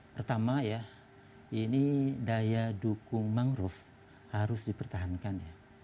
pertama ya ini daya dukung mangrove harus dipertahankan ya